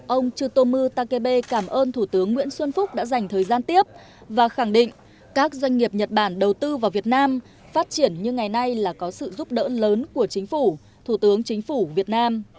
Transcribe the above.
ông chutomu takebe cảm ơn thủ tướng nguyễn xuân phúc đã dành thời gian tiếp và khẳng định các doanh nghiệp nhật bản đầu tư vào việt nam phát triển như ngày nay là có sự giúp đỡ lớn của chính phủ thủ tướng chính phủ việt nam